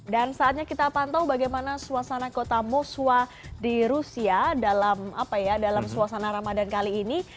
dan saatnya kita pantau bagaimana suasana kota moswa di rusia dalam suasana ramadan kali ini